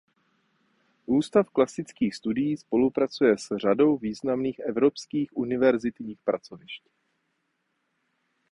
Ústav klasických studií spolupracuje s řadou významných evropských univerzitních pracovišť.